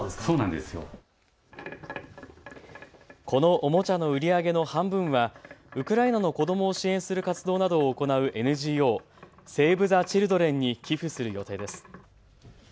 このおもちゃの売り上げの半分はウクライナの子どもを支援する活動などを行うＮＧＯ、セーブ・ザ・チルドレンに寄付する予定です。